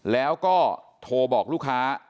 แล้วก็โทรบอกลูกค้า